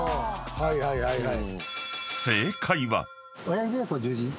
はいはいはいはい。